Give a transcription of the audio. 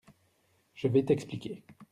Je vais t’expliquer…